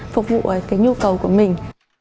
phục vụ cái nhu cầu của mình